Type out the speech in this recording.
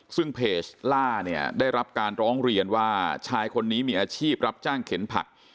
ซึ่งเพจล่าเนี่ยได้รับการร้องเรียนว่าชายคนนี้มีอาชีพรับจ้างเข็นผัก